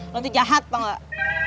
lo tuh jahat tau gak